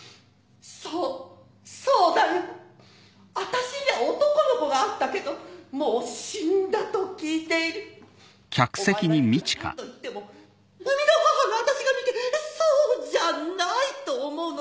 そうそうだよあたしにゃ男の子があったけどもう死んだと聞いているお前がいくら何と言っても生みの母のあたしが見てそうじゃないと思うのだもの